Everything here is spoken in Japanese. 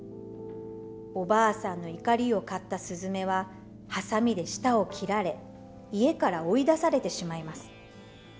おばあさんの怒りを買ったすずめははさみで舌を切られ家から追い出されてしまいます。